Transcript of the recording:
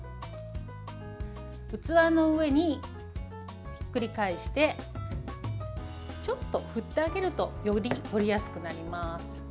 器の上にひっくり返してちょっと振ってあげるとより取りやすくなります。